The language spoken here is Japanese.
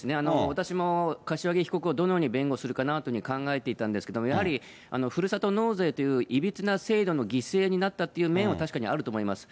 私も柏木被告をどのように弁護するかなというふうに考えていたんですけれども、やはりふるさと納税といういびつな制度の犠牲になったっていう面は、確かにあると思います。